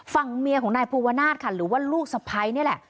ฝั่งเมียของนายภูวนาศค่ะหรือว่าลูกสะพ้ายนี่แหละ